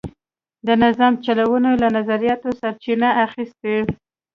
د نظام چلونه یې له نظریاتو سرچینه اخیسته.